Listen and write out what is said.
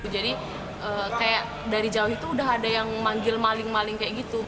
jadi kayak dari jauh itu udah ada yang manggil maling maling kayak gitu